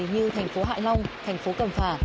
như thành phố hạ long thành phố cầm phả